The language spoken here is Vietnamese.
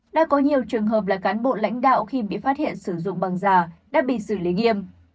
đã có nhiều trường hợp là cán bộ lãnh đạo khi bị phát hiện sử dụng bằng giả đã bị xử lý nghiêm